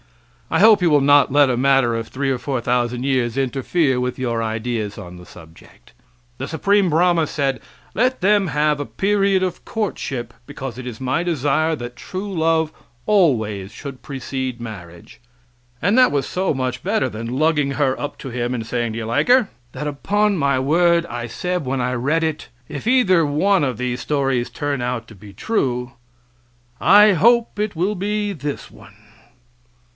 I hope you will not let a matter of three or four thousand years interfere with your ideas on the subject. The Supreme Brahma said: "Let them have a period of courtship, because it is my desire that true love always should precede marriage" and that was so much better than lugging her up to him and saying, "Do you like her?" that upon my word I said when I read it, "If either one of these stories turn out to be true, I hope it will be this one."